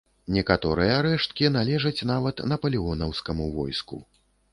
Некаторыя рэшткі належаць нават напалеонаўскаму войску.